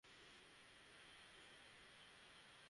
উষ্ট্রীর দুধও তাকে নিয়মিত দেয়া হল।